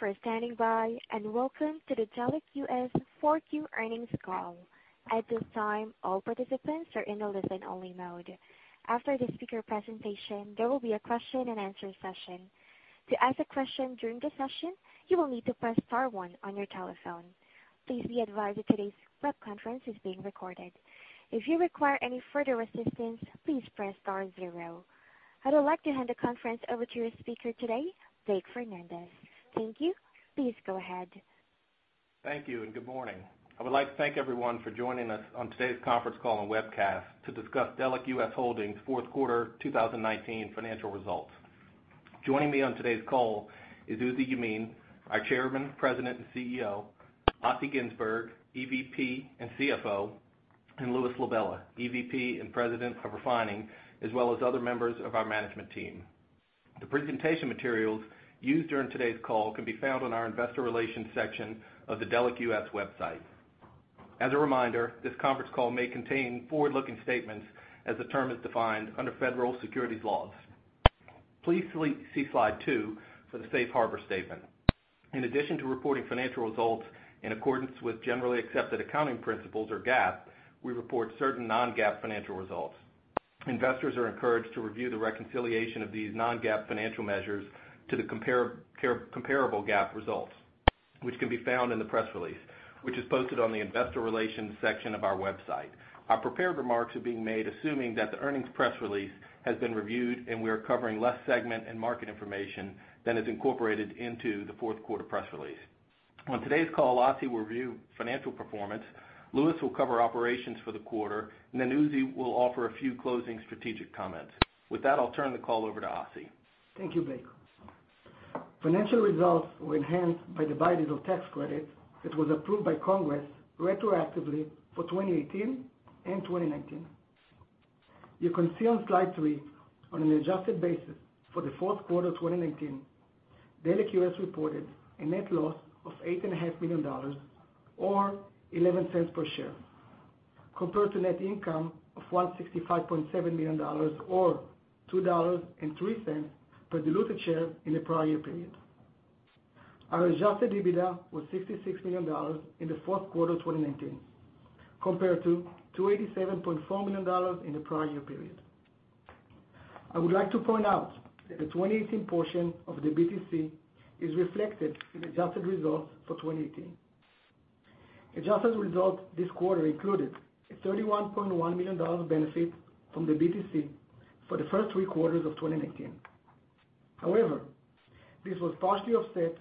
Thank you for standing by, and welcome to the Delek US 4Q earnings call. At this time, all participants are in a listen-only mode. After the speaker presentation, there will be a question-and-answer session. To ask a question during the session, you will need to press star one on your telephone. Please be advised that today's web conference is being recorded. If you require any further assistance, please press star zero. I would like to hand the conference over to your speaker today, Blake Fernandez. Thank you. Please go ahead. Thank you, and good morning. I would like to thank everyone for joining us on today's conference call and webcast to discuss Delek US Holdings' fourth quarter 2019 financial results. Joining me on today's call is Uzi Yemin, our Chairman, President, and CEO, Assi Ginzburg, EVP and CFO, and Louis LaBella, EVP and President of Refining, as well as other members of our management team. The presentation materials used during today's call can be found on our Investor Relations section of the Delek US website. As a reminder, this conference call may contain forward-looking statements as the term is defined under federal securities laws. Please see slide two for the safe harbor statement. In addition to reporting financial results in accordance with generally accepted accounting principles or GAAP, we report certain non-GAAP financial results. Investors are encouraged to review the reconciliation of these non-GAAP financial measures to the comparable GAAP results, which can be found in the press release, which is posted on the investor relations section of our website. Our prepared remarks are being made assuming that the earnings press release has been reviewed, and we are covering less segment and market information than is incorporated into the fourth quarter press release. On today's call, Assi will review financial performance, Louis will cover operations for the quarter, and Uzi will offer a few closing strategic comments. With that, I'll turn the call over to Assi. Thank you, Blake. Financial results were enhanced by the biodiesel tax credit that was approved by Congress retroactively for 2018 and 2019. You can see on slide three, on an adjusted basis for the fourth quarter 2019, Delek US reported a net loss of $8.5 million, or $0.11 per share, compared to net income of $165.7 million or $2.03 per diluted share in the prior year period. Our adjusted EBITDA was $66 million in the fourth quarter 2019 compared to $287.4 million in the prior year period. I would like to point out that the 2018 portion of the BTC is reflected in adjusted results for 2018. Adjusted results this quarter included a $31.1 million benefit from the BTC for the first three quarters of 2019. However, this was partially offset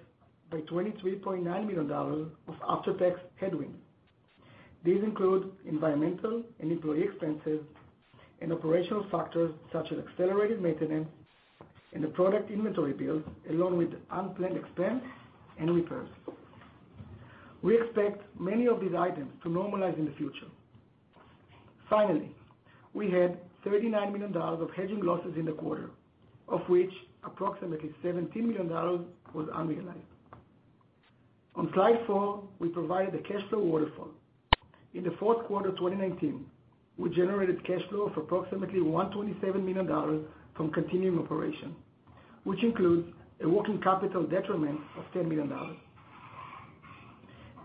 by $23.9 million of after-tax headwind. These include environmental and employee expenses and operational factors such as accelerated maintenance and the product inventory build, along with unplanned expense and repairs. We expect many of these items to normalize in the future. Finally, we had $39 million of hedging losses in the quarter, of which approximately $17 million was unrealized. On slide four, we provide the cash flow waterfall. In the fourth quarter 2019, we generated cash flow of approximately $127 million from continuing operations, which includes a working capital detriment of $10 million.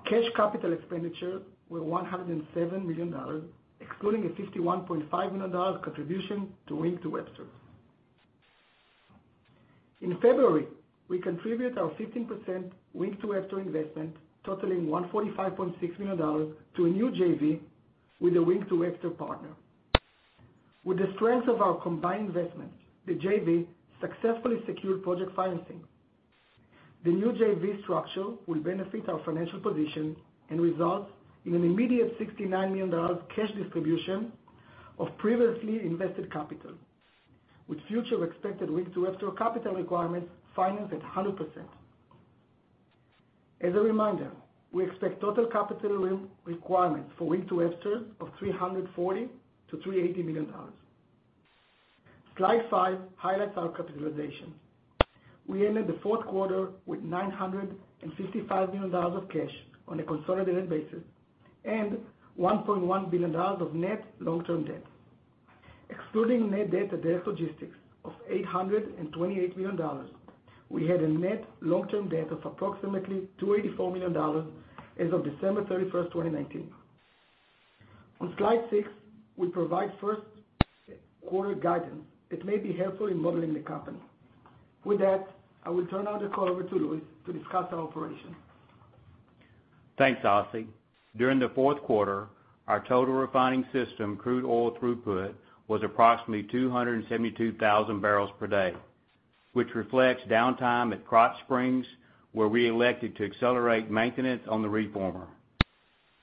Cash capital expenditures were $107 million, excluding a $51.5 million contribution to Wink to Webster. In February, we contribute our 15% Wink to Webster investment totaling $145.6 million to a new JV with a Wink to Webster partner. With the strength of our combined investment, the JV successfully secured project financing. The new JV structure will benefit our financial position and result in an immediate $69 million cash distribution of previously invested capital, with future expected Wink to Webster capital requirements financed at 100%. As a reminder, we expect total capital room requirements for Wink to Webster of $340 million-$380 million. Slide five highlights our capitalization. We ended the fourth quarter with $955 million of cash on a consolidated basis and $1.1 billion of net long-term debt. Excluding net debt at Delek Logistics of $828 million, we had a net long-term debt of approximately $284 million as of December 31st, 2019. On slide six, we provide first quarter guidance that may be helpful in modeling the company. With that, I will turn now the call over to Louis to discuss our operations. Thanks, Uzi. During the fourth quarter, our total refining system crude oil throughput was approximately 272,000 barrels per day, which reflects downtime at Krotz Springs, where we elected to accelerate maintenance on the reformer.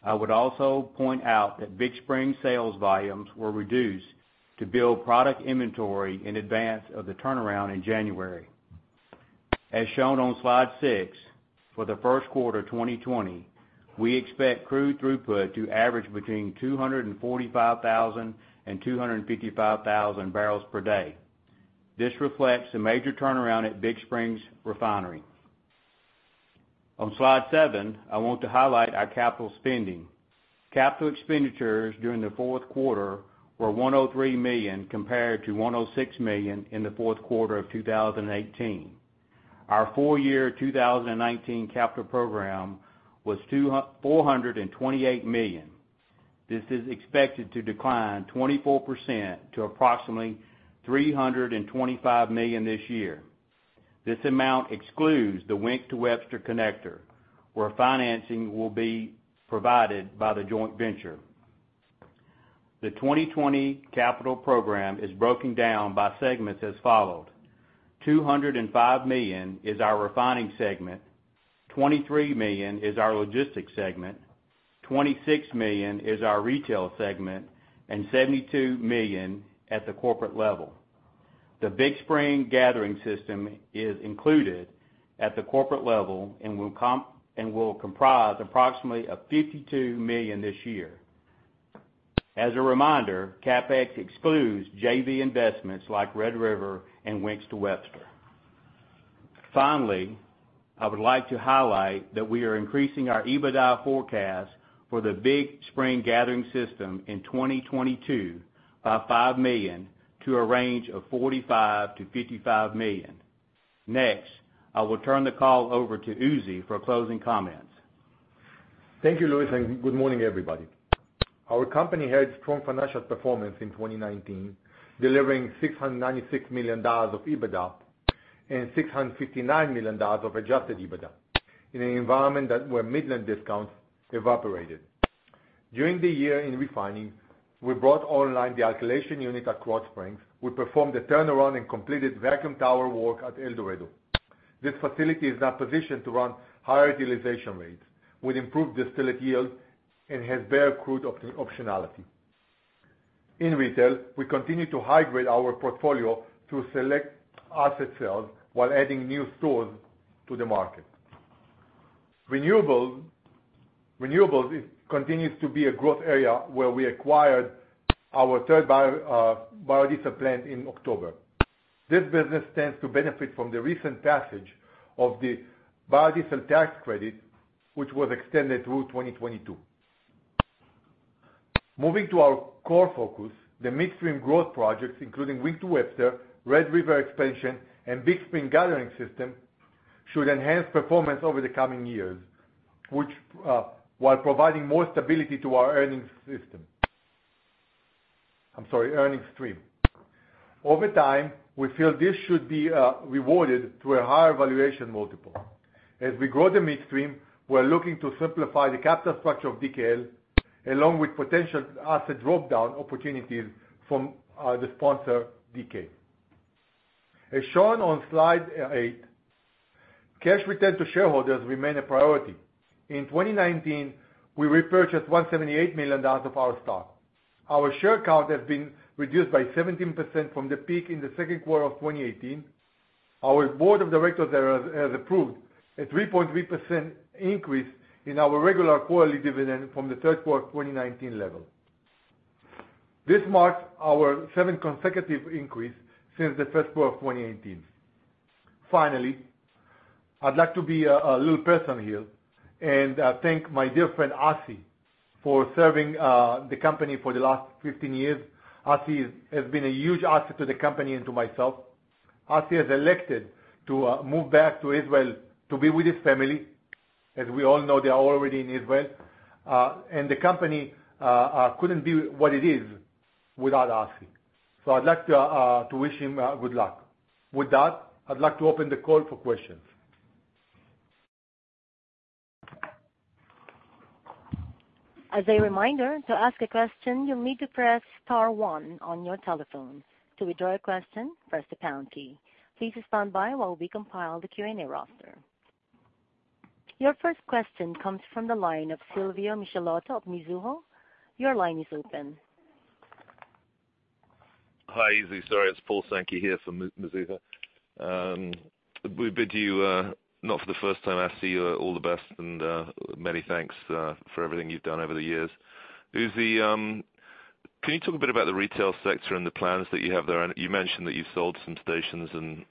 I would also point out that Big Spring sales volumes were reduced to build product inventory in advance of the turnaround in January. As shown on slide six, for the first quarter 2020, we expect crude throughput to average between 245,000 and 255,000 barrels per day. This reflects a major turnaround at Big Spring Refinery. On slide seven, I want to highlight our capital spending. Capital expenditures during the fourth quarter were $103 million compared to $106 million in the fourth quarter of 2018. Our full year 2019 capital program was $428 million. This is expected to decline 24% to approximately $325 million this year. This amount excludes the Wink to Webster connector, where financing will be provided by the joint venture. The 2020 capital program is broken down by segments as follows. $205 million is our Refining segment, $23 million is our Logistics segment, $26 million is our Retail segment, and $72 million at the corporate level. The Big Spring gathering system is included at the corporate level and will comprise approximately $52 million this year. As a reminder, CapEx excludes JV investments like Red River and Wink to Webster. Finally, I would like to highlight that we are increasing our EBITDA forecast for the Big Spring gathering system in 2022 by $5 million to a range of $45 million-$55 million. Next, I will turn the call over to Uzi for closing comments. Thank you, Louis, and good morning, everybody. Our company had strong financial performance in 2019, delivering $696 million of EBITDA and $659 million of adjusted EBITDA in an environment where midland discounts evaporated. During the year in refining, we brought online the alkylation unit at Krotz Springs. We performed a turnaround and completed vacuum tower work at El Dorado. This facility is now positioned to run higher utilization rates with improved distillate yield and has better crude optionality. In retail, we continue to high-grade our portfolio through select asset sales while adding new stores to the market. Renewables continues to be a growth area where we acquired our third biodiesel plant in October. This business stands to benefit from the recent passage of the biodiesel tax credit, which was extended through 2022. Moving to our core focus, the midstream growth projects, including Wink to Webster, Red River expansion, and Big Spring gathering system, should enhance performance over the coming years, while providing more stability to our earnings stream. Over time, we feel this should be rewarded to a higher valuation multiple. As we grow the midstream, we're looking to simplify the capital structure of DKL, along with potential asset drop-down opportunities from the sponsor, DK. As shown on slide eight, cash return to shareholders remain a priority. In 2019, we repurchased $178 million of our stock. Our share count has been reduced by 17% from the peak in the second quarter of 2018. Our board of directors has approved a 3.3% increase in our regular quarterly dividend from the third quarter 2019 level. This marks our seventh consecutive increase since the first quarter of 2018. Finally, I'd like to be a little personal here and thank my dear friend, Uzi, for serving the company for the last 15 years. Uzi has been a huge asset to the company and to myself. Uzi has elected to move back to Israel to be with his family, as we all know they are already in Israel. The company couldn't be what it is without Uzi. I'd like to wish him good luck. With that, I'd like to open the call for questions. As a reminder, to ask a question, you'll need to press star one on your telephone. To withdraw your question, press the pound key. Please stand by while we compile the Q&A roster. Your first question comes from the line of Silvio Micheloto of Mizuho. Your line is open. Hi, Uzi. Sorry, it's Paul Sankey here from Mizuho. We bid you, not for the first time, Uzi, all the best and many thanks for everything you've done over the years. Uzi, can you talk a bit about the retail sector and the plans that you have there? You mentioned that you sold some stations and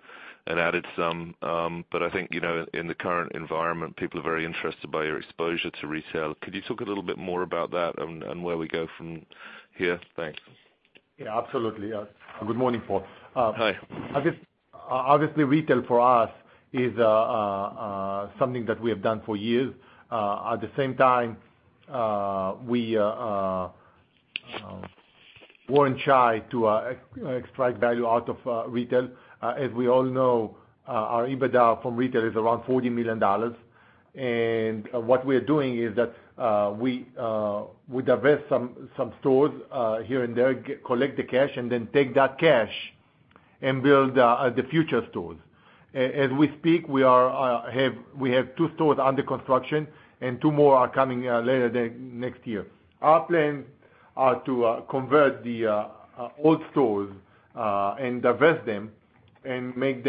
added some, I think, in the current environment, people are very interested by your exposure to retail. Could you talk a little bit more about that and where we go from here? Thanks. Yeah, absolutely. Good morning, Paul. Hi. Obviously, retail for us is something that we have done for years. At the same time, we weren't shy to extract value out of retail. As we all know, our EBITDA from retail is around $40 million. What we are doing is that we divest some stores here and there, collect the cash, then take that cash and build the future stores. As we speak, we have two stores under construction and two more are coming later next year. Our plans are to convert the old stores and divest them and invest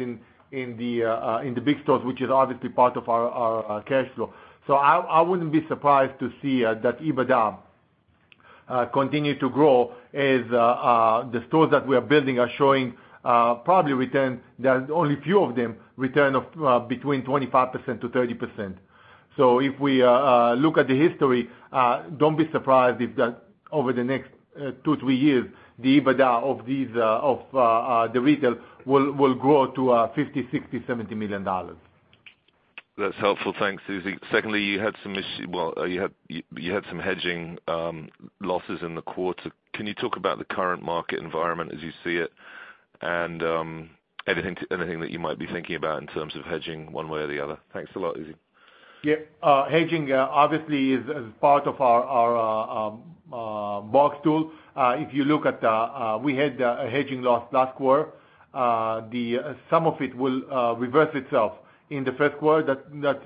in the big stores, which is obviously part of our cash flow. I wouldn't be surprised to see that EBITDA continue to grow as the stores that we are building are showing probably return. There are only a few of them, return of between 25%-30%. If we look at the history, don't be surprised if over the next two, three years, the EBITDA of the retail will grow to $50 million, $60 million, $70 million. That's helpful. Thanks, Uzi. Secondly, you had some hedging losses in the quarter. Can you talk about the current market environment as you see it? Anything that you might be thinking about in terms of hedging one way or the other? Thanks a lot, Uzi. Yeah. Hedging obviously is part of our box tool. We had a hedging loss last quarter. Some of it will reverse itself in the first quarter, that's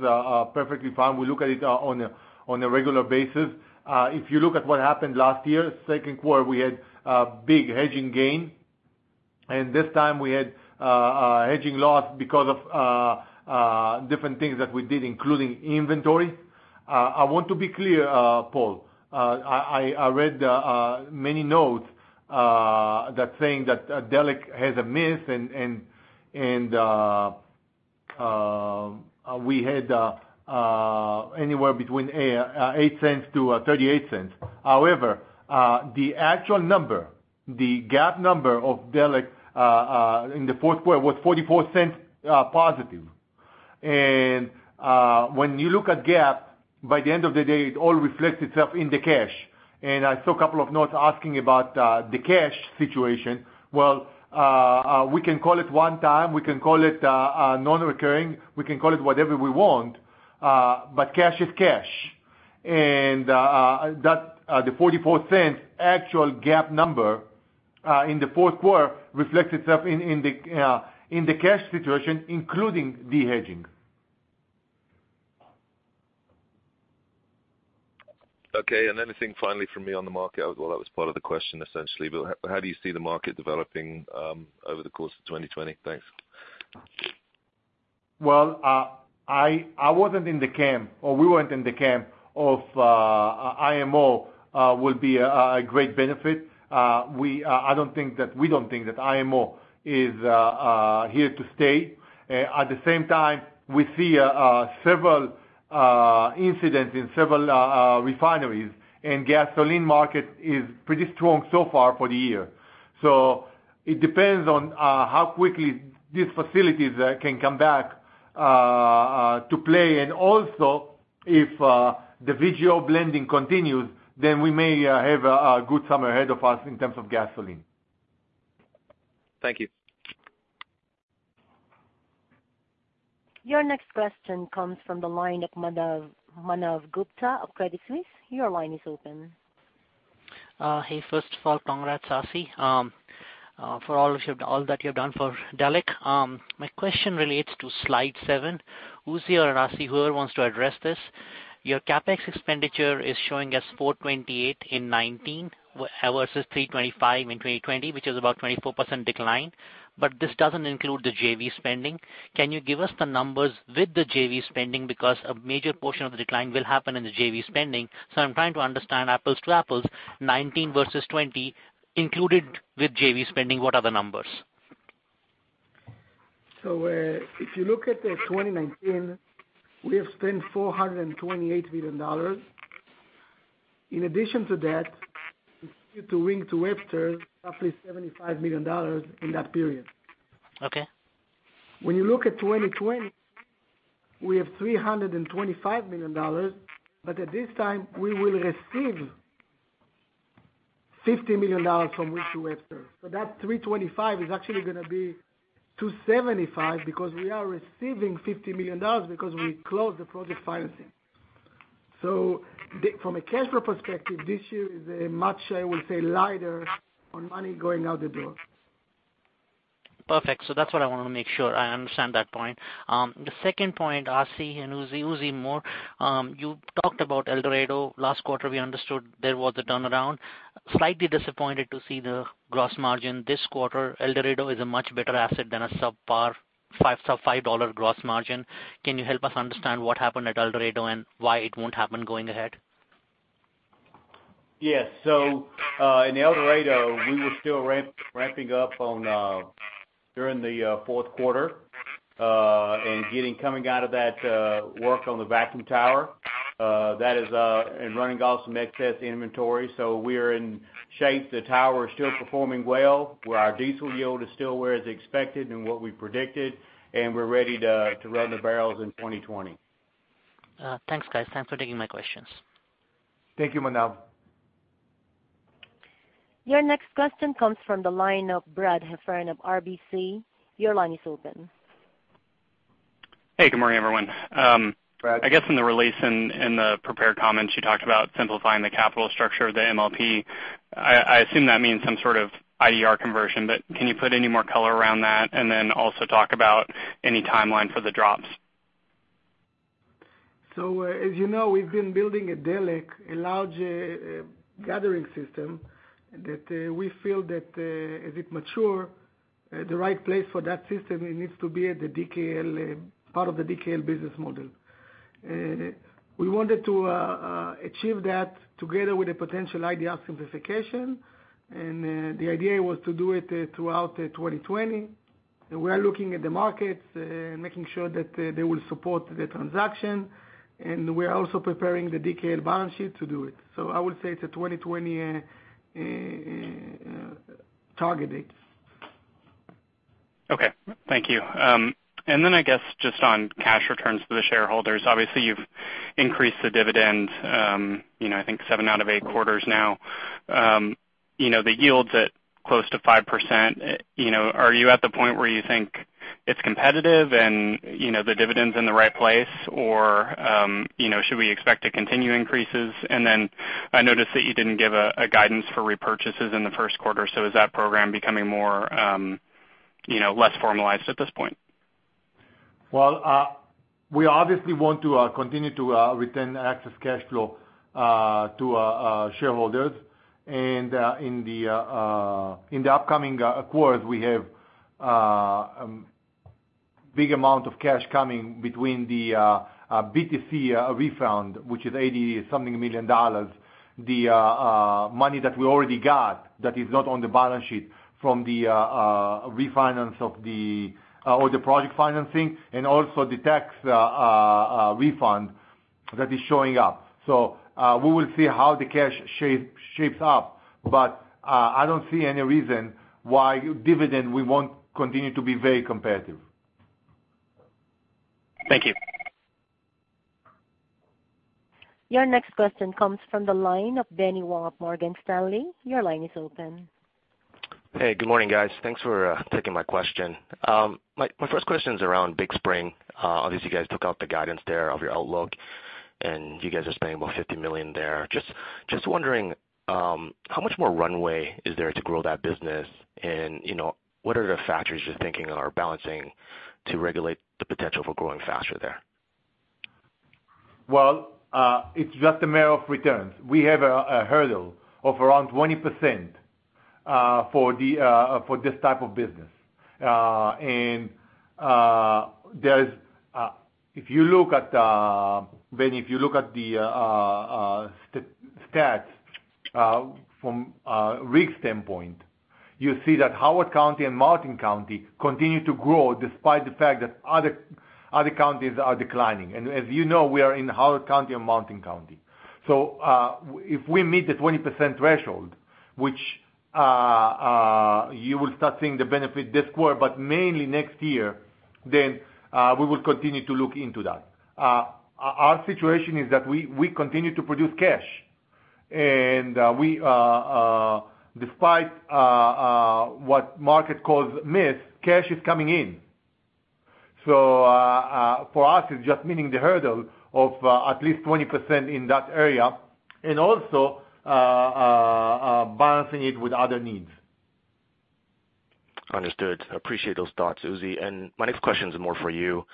perfectly fine. We look at it on a regular basis. If you look at what happened last year, second quarter, we had a big hedging gain, this time we had a hedging loss because of different things that we did, including inventory. I want to be clear, Paul. I read many notes, saying that Delek has a miss. We had anywhere between $0.08-$0.38. The actual number, the GAAP number of Delek, in the fourth quarter was $0.44 positive. When you look at GAAP, by the end of the day, it all reflects itself in the cash. I saw a couple of notes asking about the cash situation. Well, we can call it one time, we can call it non-recurring, we can call it whatever we want. Cash is cash, and the $0.44 actual GAAP number, in the fourth quarter, reflects itself in the cash situation, including the hedging. Okay, anything finally from me on the market? Well, that was part of the question, essentially, but how do you see the market developing over the course of 2020? Thanks. Well, we weren't in the camp of IMO will be a great benefit. We don't think that IMO is here to stay. At the same time, we see several incidents in several refineries and gasoline market is pretty strong so far for the year. It depends on how quickly these facilities can come back to play. Also, if the VGO blending continues, then we may have a good summer ahead of us in terms of gasoline. Thank you. Your next question comes from the line of Manav Gupta of Credit Suisse. Your line is open. Hey, first of all, congrats, Uzi, for all that you've done for Delek. My question relates to slide seven. Uzi or Assi, whoever wants to address this. Your CapEx expenditure is showing as $428 in 2019 versus $325 in 2020, which is about 24% decline, but this doesn't include the JV spending. Can you give us the numbers with the JV spending because a major portion of the decline will happen in the JV spending. I'm trying to understand apples to apples, 2019 versus 2020 included with JV spending. What are the numbers? If you look at the 2019, we have spent $428 million. In addition to that, we continue to Wink to Webster roughly $75 million in that period. Okay. When you look at 2020, we have $325 million, but at this time we will receive $50 million from Wink-to-Webster. That 325 is actually going to be $275 million because we are receiving $50 million because we closed the project financing. From a cash flow perspective, this year is a much, I would say, lighter on money going out the door. Perfect. That's what I want to make sure I understand that point. The second point, Assi and Uzi. Uzi more. You talked about El Dorado last quarter. We understood there was a turnaround. Slightly disappointed to see the gross margin this quarter. El Dorado is a much better asset than a subpar five sub $5 gross margin. Can you help us understand what happened at El Dorado and why it won't happen going ahead? Yes. In El Dorado, we were still ramping up during the fourth quarter, coming out of that work on the vacuum tower, running off some excess inventory. We are in shape. The tower is still performing well, where our diesel yield is still where is expected and what we predicted, and we're ready to run the barrels in 2020. Thanks, guys. Thanks for taking my questions. Thank you, Manav. Your next question comes from the line of Brad Heffern of RBC. Your line is open. Hey, good morning, everyone. Brad. I guess in the release, in the prepared comments, you talked about simplifying the capital structure of the MLP. I assume that means some sort of IDR conversion, but can you put any more color around that and then also talk about any timeline for the drops? As you know, we've been building at Delek a large gathering system that we feel that, as it matures, the right place for that system, it needs to be part of the DKL business model. We wanted to achieve that together with a potential IDR simplification. The idea was to do it throughout 2020. We are looking at the markets, making sure that they will support the transaction, and we are also preparing the DKL balance sheet to do it. I would say it's a 2020 target date. Okay. Thank you. I guess just on cash returns for the shareholders. Obviously, you've increased the dividend I think 7 out of 8 quarters now. The yield's at close to 5%. Are you at the point where you think it's competitive and the dividend's in the right place, or should we expect to continue increases? I noticed that you didn't give a guidance for repurchases in the first quarter, so is that program becoming less formalized at this point? Well, we obviously want to continue to return excess cash flow to shareholders. In the upcoming quarters, we have big amount of cash coming between the BTC refund, which is $80-something million. The money that we already got that is not on the balance sheet from the refinance of all the project financing, and also the tax refund that is showing up. We will see how the cash shapes up, but, I don't see any reason why dividend, we won't continue to be very competitive. Thank you. Your next question comes from the line of Benny Wong, Morgan Stanley. Your line is open. Hey. Good morning, guys. Thanks for taking my question. My first question is around Big Spring. Obviously, you guys took out the guidance there of your outlook, and you guys are spending about $50 million there. Just wondering, how much more runway is there to grow that business and what are the factors you're thinking or balancing to regulate the potential for growing faster there? Well, it's just a matter of returns. We have a hurdle of around 20% for this type of business. Benny, if you look at the stats from RIG's standpoint, you'll see that Howard County and Martin County continue to grow despite the fact that other counties are declining. As you know, we are in Howard County and Martin County. If we meet the 20% threshold, which you will start seeing the benefit this quarter, but mainly next year, we will continue to look into that. Our situation is that we continue to produce cash, and despite what market calls miss, cash is coming in. For us, it's just meeting the hurdle of at least 20% in that area and also balancing it with other needs. Understood. Appreciate those thoughts, Uzi. My next question is more for you,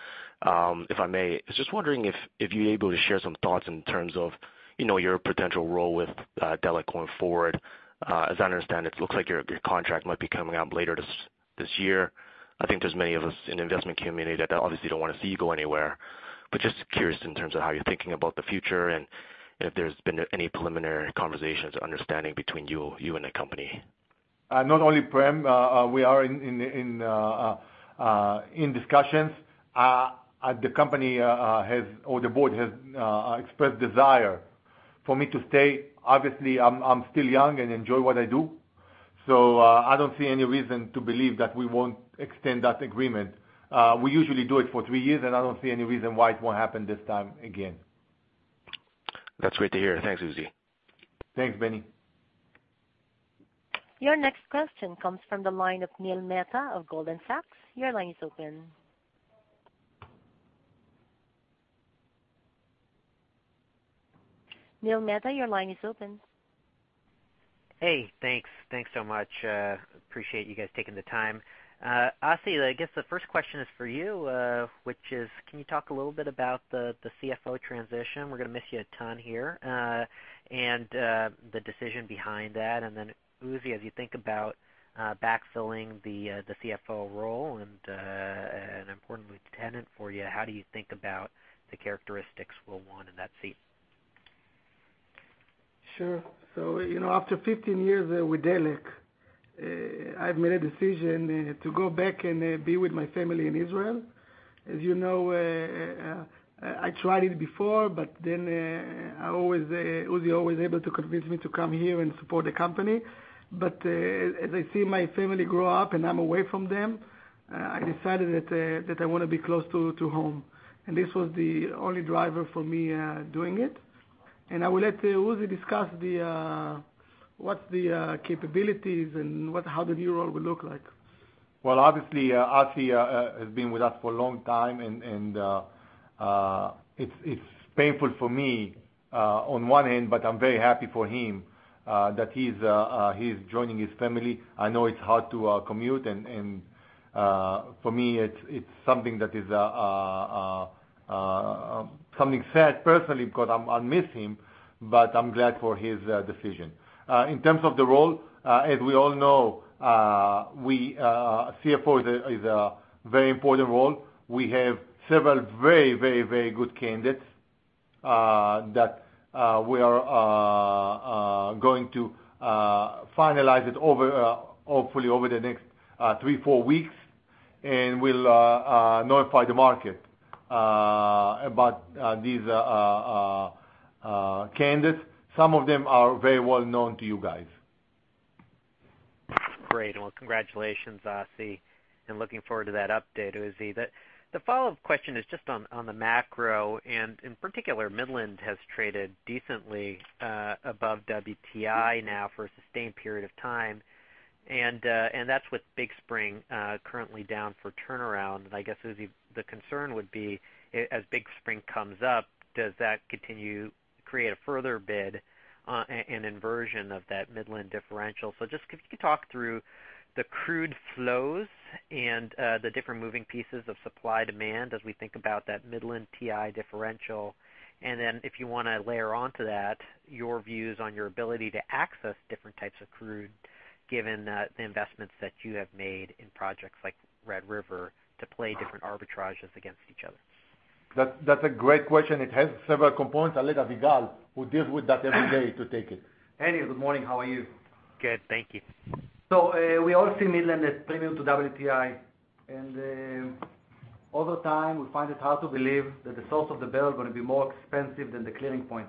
if I may. I was just wondering if you're able to share some thoughts in terms of your potential role with Delek US going forward. As I understand it, looks like your contract might be coming up later this year. I think there's many of us in the investment community that obviously don't want to see you go anywhere. Just curious in terms of how you're thinking about the future and if there's been any preliminary conversations or understanding between you and the company. Prem, we are in discussions. The company or the board has expressed desire for me to stay. Obviously, I'm still young and enjoy what I do, so I don't see any reason to believe that we won't extend that agreement. We usually do it for three years, and I don't see any reason why it won't happen this time again. That's great to hear. Thanks, Uzi. Thanks, Benny. Your next question comes from the line of Neil Mehta of Goldman Sachs. Your line is open. Neil Mehta, your line is open. Hey, thanks. Thanks so much. Appreciate you guys taking the time. Assi, I guess the first question is for you, which is can you talk a little bit about the CFO transition? We're gonna miss you a ton here. The decision behind that. Uzi, as you think about backfilling the CFO role and an important lieutenant for you, how do you think about the characteristics you'll want in that seat? Sure. After 15 years with Delek, I've made a decision to go back and be with my family in Israel. As you know, I tried it before, Uzi always able to convince me to come here and support the company. As I see my family grow up and I'm away from them, I decided that I want to be close to home. This was the only driver for me doing it. I will let Uzi discuss what the capabilities and how the new role will look like. Well, obviously, Assi has been with us for a long time, and it's painful for me on one end, but I'm very happy for him, that he's joining his family. I know it's hard to commute, and for me, it's something sad personally because I'll miss him, but I'm glad for his decision. In terms of the role, as we all know, CFO is a very important role. We have several very good candidates We are going to finalize it hopefully over the next three, four weeks, and we'll notify the market about these candidates. Some of them are very well known to you guys. Great. Well, congratulations, Uzi, looking forward to that update, Uzi. The follow-up question is just on the macro, in particular, Midland has traded decently above WTI now for a sustained period of time. That's with Big Spring currently down for turnaround. I guess, Uzi, the concern would be, as Big Spring comes up, does that continue to create a further bid, an inversion of that Midland differential? Just could you talk through the crude flows and the different moving pieces of supply-demand as we think about that Midland WTI differential. Then if you want to layer onto that, your views on your ability to access different types of crude, given the investments that you have made in projects like Red River to play different arbitrages against each other. That's a great question. It has several components. I'll let Avigal, who deals with that every day, to take it. Neil, good morning. How are you? Good, thank you. We all see Midland as premium to WTI. Over time, we find it hard to believe that the source of the barrel is going to be more expensive than the clearing point.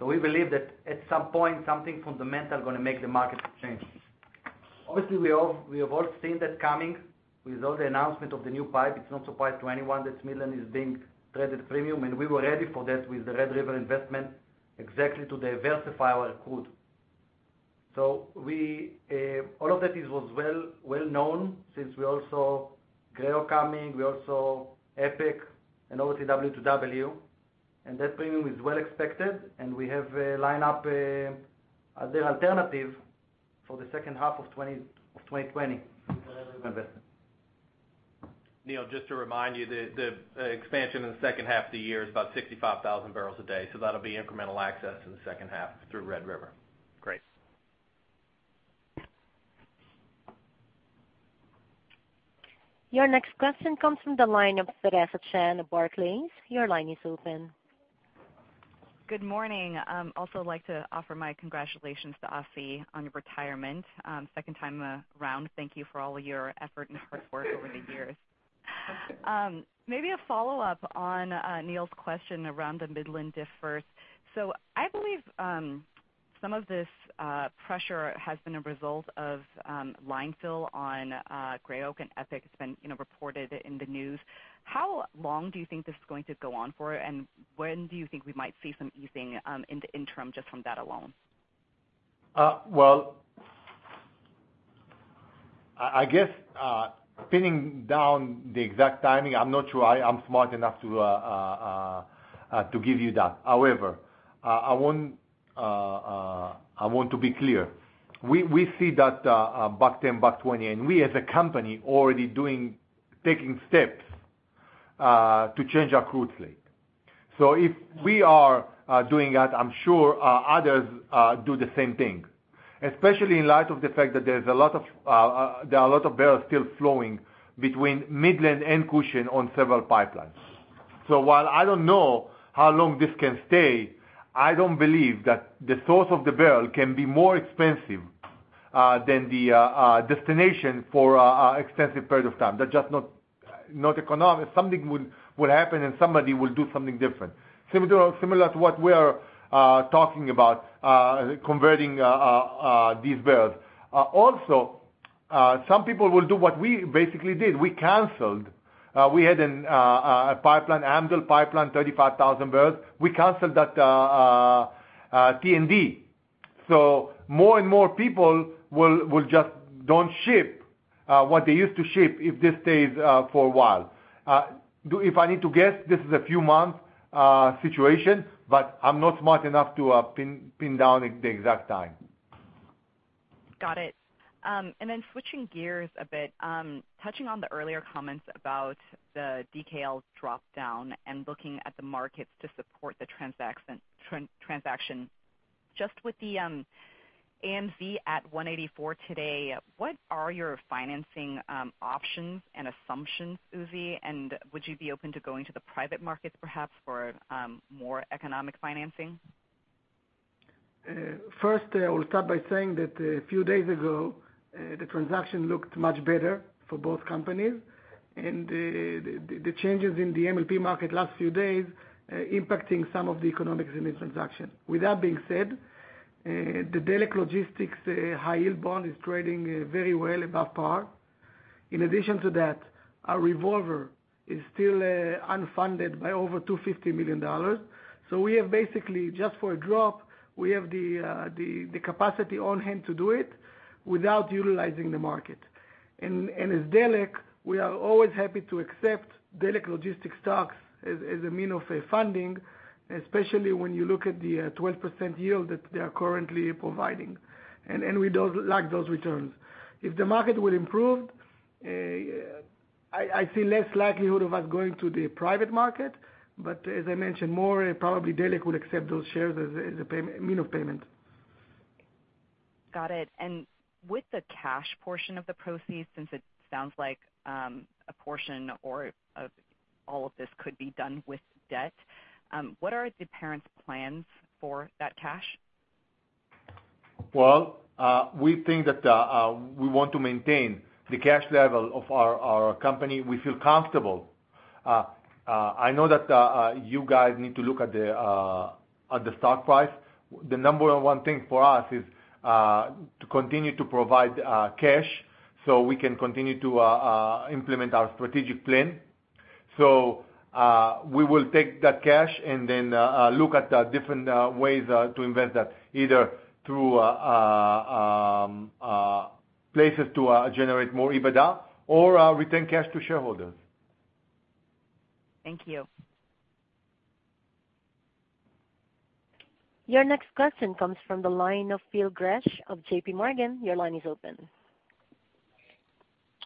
We believe that at some point, something fundamental is going to make the market change. We have all seen that coming with all the announcement of the new pipe. It's no surprise to anyone that Midland is being traded premium, and we were ready for that with the Red River investment, exactly to diversify our crude. All of that was well known since we all saw Gray Oak coming, we all saw EPIC, and obviously W two W. That premium is well expected, and we have lined up the alternative for the second half of 2020 with the Red River investment. Neil, just to remind you, the expansion in the second half of the year is about 65,000 barrels a day. That'll be incremental access in the second half through Red River. Great. Your next question comes from the line of Theresa Chen of Barclays. Your line is open. Good morning. Also like to offer my congratulations to Uzi on your retirement. Second time around. Thank you for all your effort and hard work over the years. Thank you. Maybe a follow-up on Neil's question around the Midland diff first. I believe some of this pressure has been a result of line fill on Gray Oak and EPIC. It's been reported in the news. How long do you think this is going to go on for? When do you think we might see some easing in the interim just from that alone? I guess pinning down the exact timing, I'm not sure I'm smart enough to give you that. I want to be clear. We see that $1.10, $1.20, and we as a company already taking steps to change our crude slate. If we are doing that, I'm sure others do the same thing, especially in light of the fact that there are a lot of barrels still flowing between Midland and Cushing on several pipelines. While I don't know how long this can stay, I don't believe that the source of the barrel can be more expensive than the destination for an extensive period of time. That's just not economic. Something would happen, and somebody will do something different. Similar to what we are talking about converting these barrels. Some people will do what we basically did. We canceled. We had a pipeline, Amdel Pipeline, 35,000 barrels. We canceled that TSA. More and more people will just don't ship what they used to ship if this stays for a while. If I need to guess, this is a few months situation, but I'm not smart enough to pin down the exact time. Got it. Switching gears a bit, touching on the earlier comments about the DKL's drop down and looking at the markets to support the transaction. With the AMZ at 184 today, what are your financing options and assumptions, Uzi? Would you be open to going to the private markets perhaps for more economic financing? I will start by saying that a few days ago, the transaction looked much better for both companies, and the changes in the MLP market last few days impacting some of the economics in this transaction. With that being said, the Delek Logistics high-yield bond is trading very well above par. In addition to that, our revolver is still unfunded by over $250 million. We have basically just for a drop, we have the capacity on hand to do it without utilizing the market. As Delek, we are always happy to accept Delek Logistics stocks as a means of funding, especially when you look at the 12% yield that they are currently providing. We like those returns. If the market will improve, I see less likelihood of us going to the private market. As I mentioned more, probably Delek would accept those shares as a means of payment. Got it. With the cash portion of the proceeds, since it sounds like a portion or all of this could be done with debt, what are the parent's plans for that cash? Well, we think that we want to maintain the cash level of our company. We feel comfortable. I know that you guys need to look at the stock price. The number one thing for us is to continue to provide cash so we can continue to implement our strategic plan. We will take that cash and then look at different ways to invest that, either through places to generate more EBITDA or retain cash to shareholders. Thank you. Your next question comes from the line of Phil Gresh of JPMorgan. Your line is open.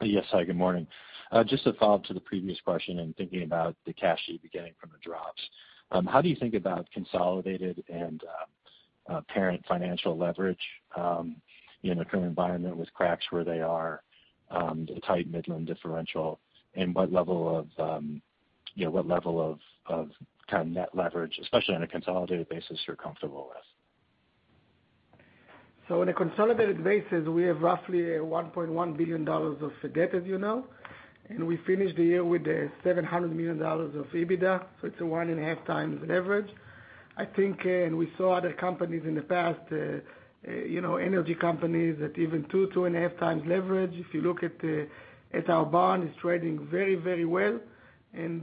Yes. Hi, good morning. Just a follow-up to the previous question and thinking about the cash you'd be getting from the drops. How do you think about consolidated and parent financial leverage in the current environment with cracks where they are, the tight Midland differential and what level of net leverage, especially on a consolidated basis, you're comfortable with? On a consolidated basis, we have roughly $1.1 billion of debt, as you know, and we finished the year with $700 million of EBITDA. It's a 1.5x leverage. I think, and we saw other companies in the past, energy companies at even 2.5x leverage. If you look at our bond, it's trading very well, and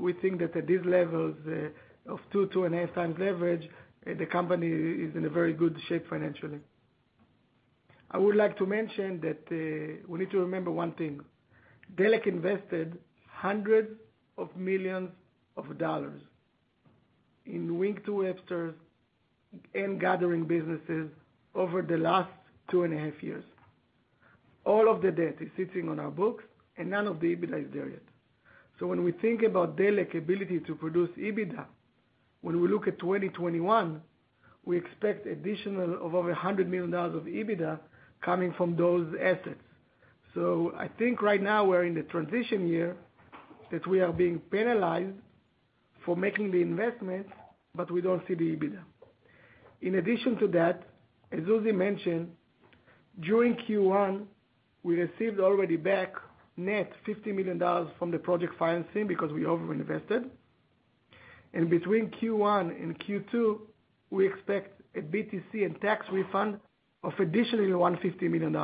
we think that at these levels of 2.5x leverage, the company is in a very good shape financially. I would like to mention that we need to remember one thing. Delek US invested $hundreds of millions in Wink to Webster and gathering businesses over the last 2.5 years. All of the debt is sitting on our books, and none of the EBITDA is there yet. When we think about Delek ability to produce EBITDA, when we look at 2021, we expect additional of over $100 million of EBITDA coming from those assets. I think right now we're in the transition year that we are being penalized for making the investments, but we don't see the EBITDA. In addition to that, as Uzi mentioned, during Q1, we received already back net $50 million from the project financing because we over-invested. Between Q1 and Q2, we expect a BTC and tax refund of additionally $150 million.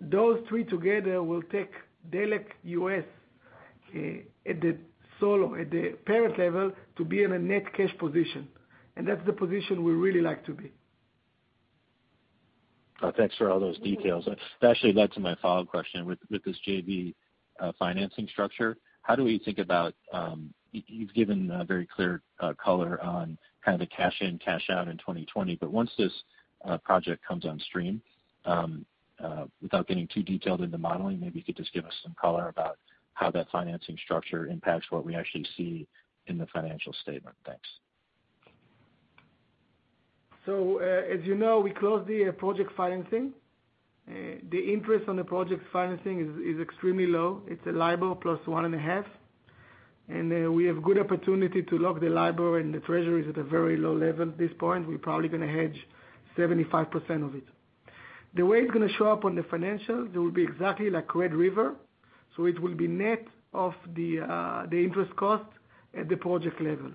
Those three together will take Delek US at the parent level to be in a net cash position, and that's the position we really like to be. Thanks for all those details. That actually led to my follow question. With this JV financing structure, you've given very clear color on the cash in, cash out in 2020. Once this project comes on stream, without getting too detailed into modeling, maybe you could just give us some color about how that financing structure impacts what we actually see in the financial statement. Thanks. As you know, we closed the project financing. The interest on the project financing is extremely low. It's a LIBOR plus one and a half, and we have good opportunity to lock the LIBOR, and the treasury is at a very low level at this point. We're probably going to hedge 75% of it. The way it's going to show up on the financials, they will be exactly like Red River. It will be net of the interest cost at the project level.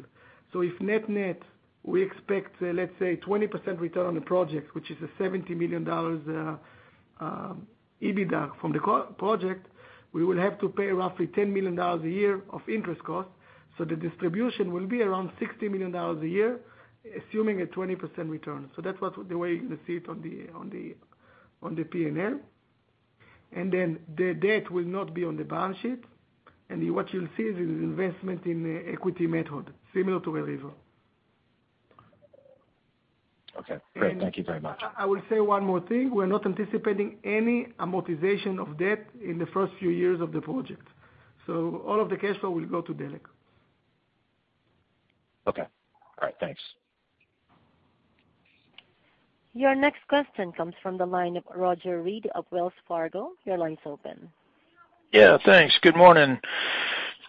If net-net, we expect, let's say, 20% return on the project, which is a $70 million EBITDA from the project, we will have to pay roughly $10 million a year of interest cost. The distribution will be around $60 million a year, assuming a 20% return. That's the way you're going to see it on the P&L. The debt will not be on the balance sheet, and what you'll see is an investment in the equity method similar to a reserve. Okay, great. Thank you very much. I will say one more thing. We're not anticipating any amortization of debt in the first few years of the project. All of the cash flow will go to Delek. Okay. All right, thanks. Your next question comes from the line of Roger Read of Wells Fargo. Your line's open. Yeah, thanks. Good morning.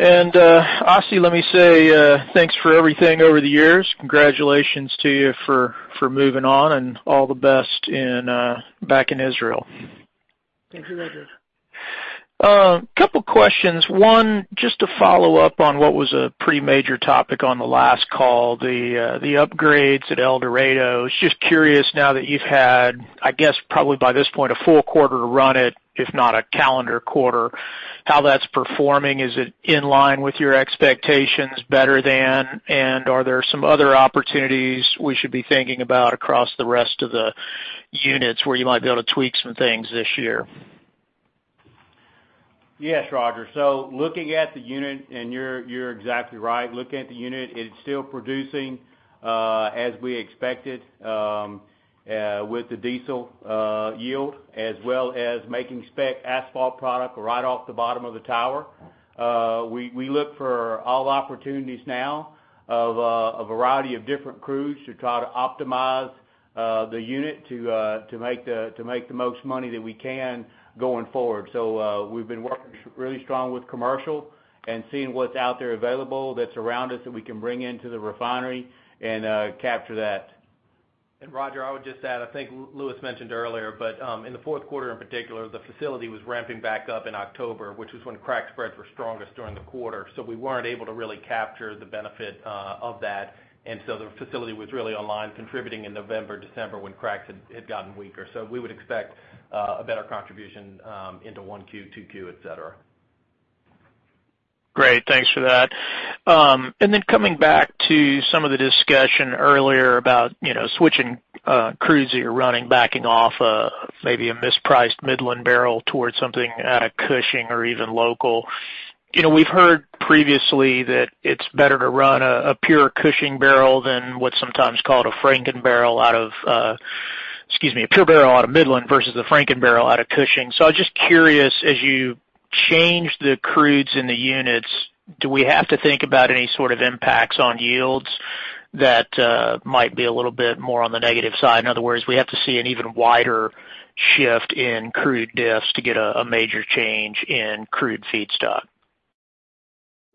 Uzi, let me say thanks for everything over the years. Congratulations to you for moving on, and all the best back in Israel. Thank you, Roger. A couple questions. One, just to follow up on what was a pretty major topic on the last call, the upgrades at El Dorado. Just curious now that you've had, I guess, probably by this point, a full quarter to run it, if not a calendar quarter, how that's performing. Is it in line with your expectations better than? Are there some other opportunities we should be thinking about across the rest of the units where you might be able to tweak some things this year? Yes, Roger. Looking at the unit, and you're exactly right. Looking at the unit, it's still producing as we expected with the diesel yield, as well as making spec asphalt product right off the bottom of the tower. We look for all opportunities now of a variety of different crudes to try to optimize the unit to make the most money that we can going forward. We've been working really strong with commercial and seeing what's out there available that's around us that we can bring into the refinery and capture that. Roger, I would just add, I think Louis mentioned earlier, but in the fourth quarter in particular, the facility was ramping back up in October, which was when crack spreads were strongest during the quarter. We weren't able to really capture the benefit of that. The facility was really online contributing in November, December when cracks had gotten weaker. We would expect a better contribution into one Q, two Q, et cetera. Great. Thanks for that. Coming back to some of the discussion earlier about switching crudes that you're running, backing off maybe a mispriced Midland barrel towards something out of Cushing or even local. We've heard previously that it's better to run a pure Cushing barrel than what's sometimes called a Frankenbarrel, a pure barrel out of Midland versus a Frankenbarrel out of Cushing. I was just curious, as you change the crudes in the units, do we have to think about any sort of impacts on yields that might be a little bit more on the negative side? In other words, we have to see an even wider shift in crude diffs to get a major change in crude feedstock.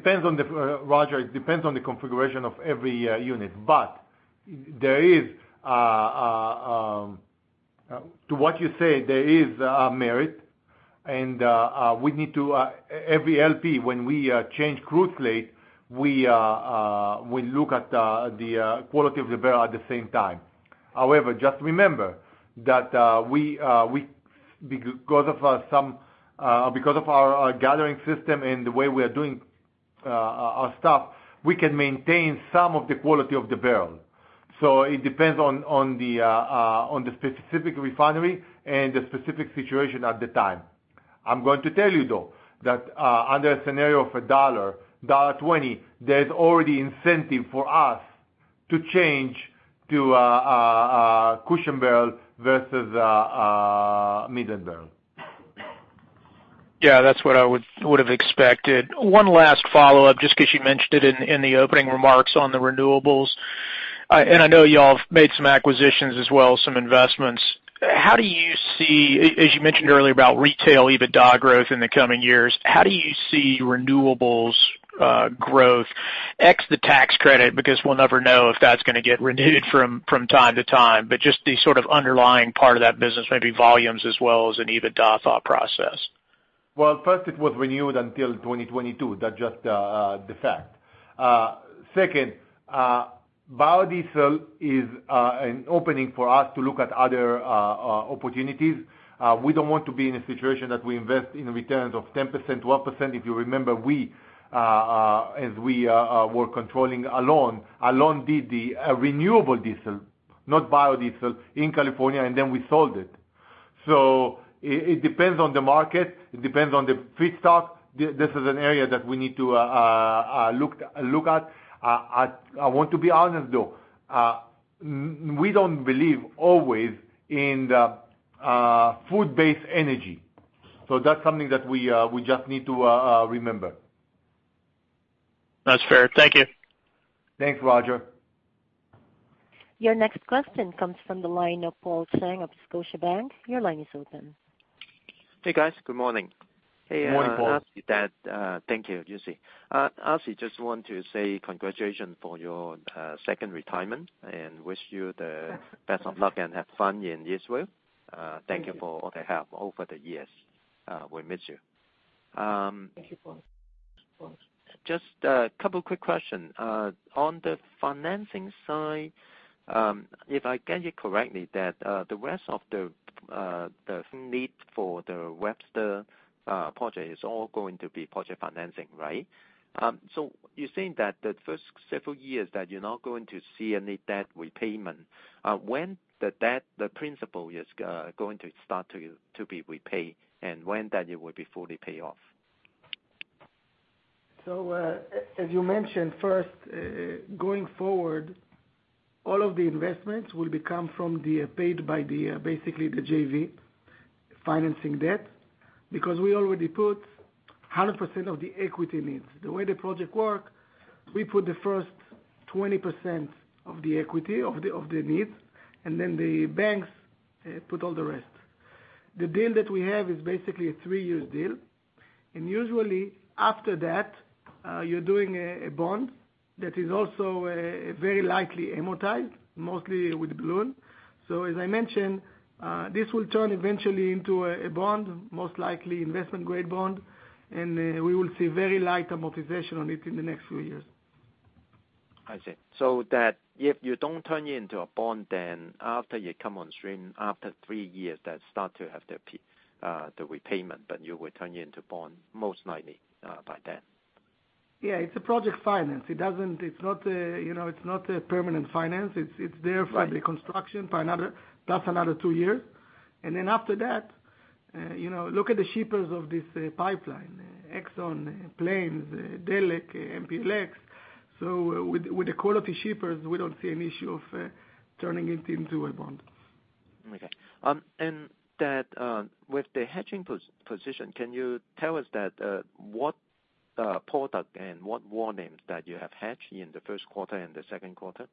Roger, it depends on the configuration of every unit. To what you say, there is a merit, and every LP, when we change crude slate, we look at the quality of the barrel at the same time. However, just remember that because of our gathering system and the way we are doing our stuff, we can maintain some of the quality of the barrel. It depends on the specific refinery and the specific situation at the time. I'm going to tell you, though, that under a scenario of $1, $1.20, there's already incentive for us to change to a Cushing barrel versus a Midland barrel. Yeah, that's what I would have expected. One last follow-up, just because you mentioned it in the opening remarks on the renewables. I know you all have made some acquisitions as well, some investments. As you mentioned earlier about retail EBITDA growth in the coming years, how do you see renewables growth, X the tax credit, because we'll never know if that's going to get renewed from time to time, but just the sort of underlying part of that business, maybe volumes as well as an EBITDA thought process? First, it was renewed until 2022. That's just the fact. Second, biodiesel is an opening for us to look at other opportunities. We don't want to be in a situation that we invest in returns of 10%, 12%. If you remember, as we were controlling Alon. Alon did the renewable diesel, not biodiesel, in California, and then we sold it. It depends on the market. It depends on the feedstock. This is an area that we need to look at. I want to be honest, though. We don't believe always in food-based energy. That's something that we just need to remember. That's fair. Thank you. Thanks, Roger. Your next question comes from the line of Paul Cheng of Scotiabank. Your line is open. Hey, guys. Good morning. Good morning, Paul. Thank you, Uzi. Assi, just want to say congratulations for your second retirement, and wish you the best of luck and have fun in Israel. Thank you for all the help over the years. We miss you. Thank you, Paul. Just a couple of quick questions. On the financing side, if I get you correctly, that the rest of the need for the Webster project is all going to be project financing, right? You're saying that the first several years that you're not going to see any debt repayment. When the principal is going to start to be repaid, and when that it will be fully paid off? As you mentioned first, going forward, all of the investments will come from the paid by basically the JV financing debt because we already put 100% of the equity needs. The way the project work, we put the first 20% of the equity of the needs, and then the banks put all the rest. The deal that we have is basically a 3-year deal. Usually after that, you're doing a bond that is also very likely amortized, mostly with balloon. As I mentioned, this will turn eventually into a bond, most likely investment-grade bond, and we will see very light amortization on it in the next few years. I see. That if you don't turn into a bond, then after you come on stream, after three years, that start to have the repayment, but you will turn into bond most likely by then. Yeah, it's a project finance. It's not a permanent finance. It's there for the construction. That's another two years. Then after that. Look at the shippers of this pipeline, Exxon, Plains, Delek, MPLX. With the quality shippers, we don't see an issue of turning it into a bond. Okay. With the hedging position, can you tell us that what product and what margins that you have hedged in the first quarter and the second quarter?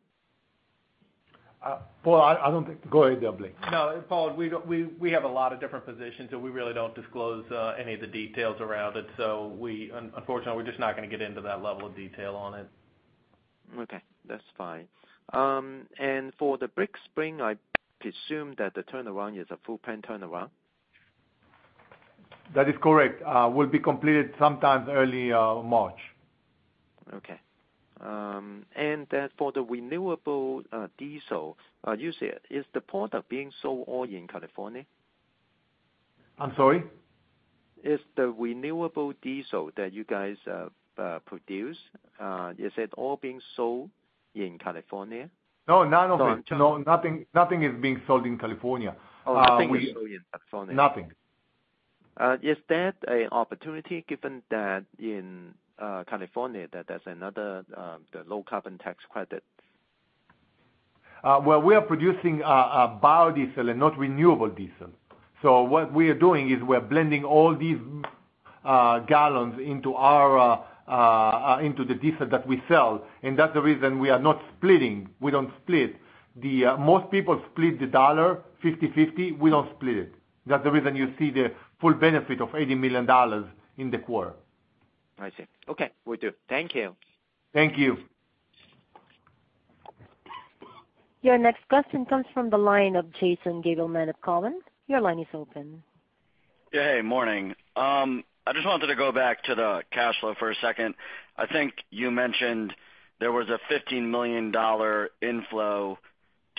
Paul, I don't think. Go ahead, Blake. No, Paul, we have a lot of different positions, so we really don't disclose any of the details around it. Unfortunately, we're just not going to get into that level of detail on it. Okay, that's fine. For the Big Spring, I presume that the turnaround is a full plant turnaround. That is correct. Will be completed sometime early March. Okay. For the renewable diesel, you said, is the product being sold all in California? I'm sorry? Is the renewable diesel that you guys produce, is it all being sold in California? No, none of it. No, nothing is being sold in California. Oh, nothing is sold in California. Nothing. Is that an opportunity given that in California that there's another low carbon tax credit? Well, we are producing biodiesel and not renewable diesel. What we are doing is we're blending all these gallons into the diesel that we sell, and that's the reason we are not splitting. We don't split. Most people split the dollar 50/50. We don't split it. That's the reason you see the full benefit of $80 million in the quarter. I see. Okay. Will do. Thank you. Thank you. Your next question comes from the line of Jason Gabelman of Cowen. Your line is open. Yeah. Hey, morning. I just wanted to go back to the cash flow for a second. I think you mentioned there was a $15 million inflow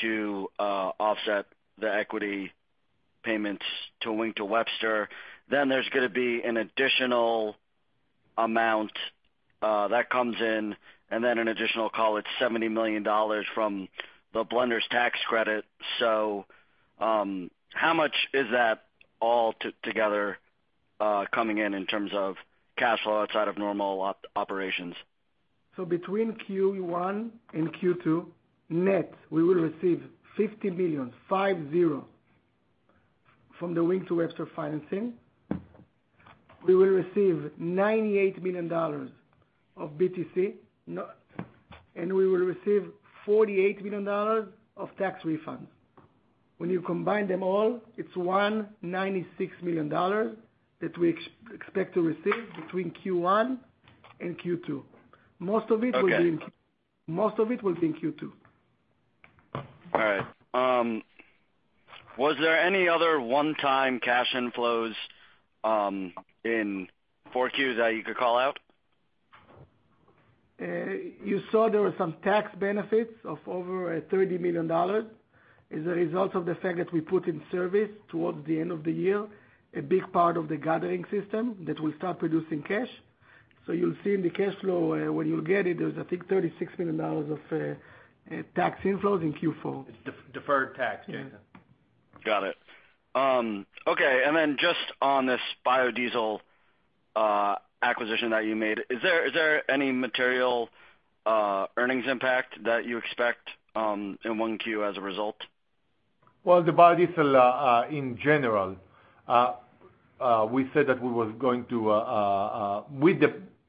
to offset the equity payments to Wink to Webster. There's going to be an additional amount that comes in, and then an additional call, it's $70 million from the biodiesel tax credit. How much is that altogether coming in terms of cash flow outside of normal operations? Between Q1 and Q2 net, we will receive $50 million, five zero, from the Wink to Webster financing. We will receive $98 million of BTC, and we will receive $48 million of tax refunds. When you combine them all, it's $196 million that we expect to receive between Q1 and Q2. Okay will be in Q2. All right. Was there any other one-time cash inflows in 4Q that you could call out? You saw there were some tax benefits of over $30 million as a result of the fact that we put in service towards the end of the year, a big part of the gathering system that will start producing cash. You'll see in the cash flow when you'll get it, there's, I think, $36 million of tax inflows in Q4. Deferred tax, Jason. Got it. Okay, just on this biodiesel acquisition that you made, is there any material earnings impact that you expect in 1Q as a result? Well, the biodiesel, in general,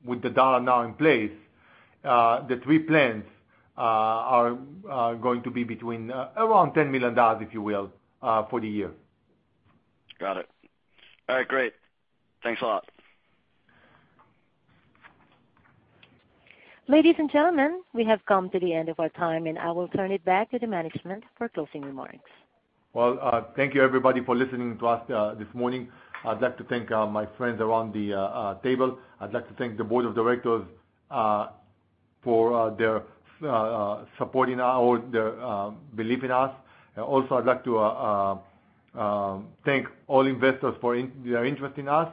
With the dollar now in place, the three plants are going to be between around $10 million, if you will, for the year. Got it. All right, great. Thanks a lot. Ladies and gentlemen, we have come to the end of our time. I will turn it back to the management for closing remarks. Well, thank you everybody for listening to us this morning. I'd like to thank my friends around the table. I'd like to thank the board of directors for their belief in us. I'd like to thank all investors for their interest in us.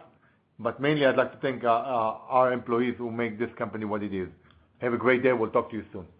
Mainly, I'd like to thank our employees who make this company what it is. Have a great day. We'll talk to you soon.